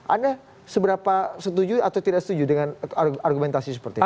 anda seberapa setuju atau tidak setuju dengan argumentasi seperti itu